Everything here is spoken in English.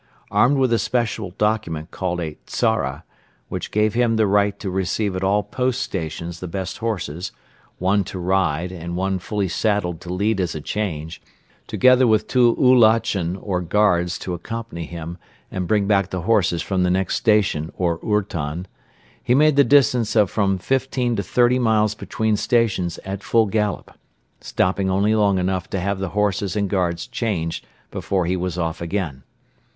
Armed with a special document called a tzara, which gave him the right to receive at all post stations the best horses, one to ride and one fully saddled to lead as a change, together with two oulatchen or guards to accompany him and bring back the horses from the next station or ourton, he made the distance of from fifteen to thirty miles between stations at full gallop, stopping only long enough to have the horses and guards changed before he was off again.